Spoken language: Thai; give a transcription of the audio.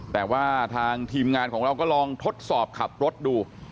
แต่ว่าทางทีมงานของเราก็ลองทดสอบขับรถดู